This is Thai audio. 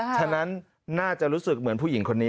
ฉะนั้นน่าจะรู้สึกเหมือนผู้หญิงคนนี้